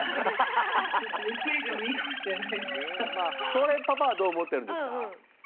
その辺パパはどう思ってるんですか？